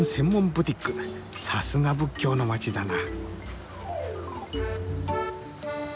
さすが仏教の街だな。